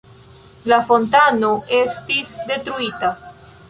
La fontano estis detruita.